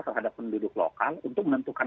terhadap penduduk lokal untuk menentukan